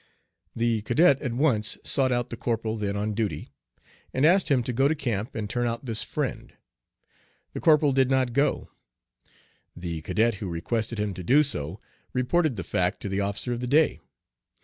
The cadet at once sought out the corporal then on duty, and asked him to go to camp and turn out this friend. The corporal did not go. The cadet who requested him to do so reported the fact to the officer of the day.